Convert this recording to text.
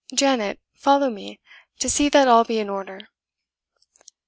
Janet, follow me, to see that all be in order."